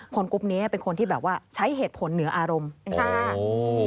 กรุ๊ปนี้เป็นคนที่แบบว่าใช้เหตุผลเหนืออารมณ์ค่ะ